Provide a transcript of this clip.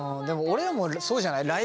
でも俺らもそうじゃない？